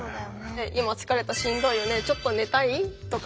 「今疲れたしんどいよねちょっと寝たい？」とか。